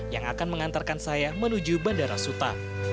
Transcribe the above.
yang akan mengantarkan saya menuju bandara suta